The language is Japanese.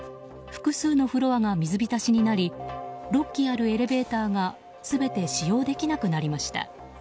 複数のフロアが水浸しになり６基あるエレベーターが全て使用できなくなりました。